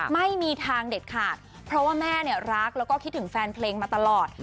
ไม่มีทางเด็ดขาดเพราะว่าแม่เนี่ยรักแล้วก็คิดถึงแฟนเพลงมาตลอด